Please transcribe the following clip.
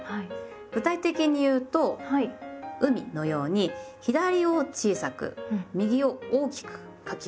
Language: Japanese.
具体的に言うと「海」のように左を小さく右を大きく書きます。